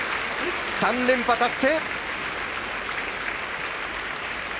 ３連覇達成！